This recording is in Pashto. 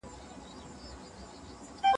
ميرويس خان نيکه څنګه د جګړي تګلاره ټاکله؟